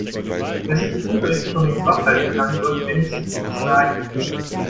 Wer sich im Unterricht schon nicht wach halten kann, sollte wenigstens nicht schnarchen.